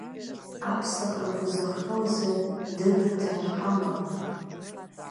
Аԥсахрақәа зыхҟьо азы дырраҭара ҳамам.